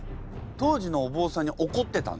当時のお坊さんに怒ってたんだ？